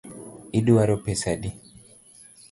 Iduaro pesa adi?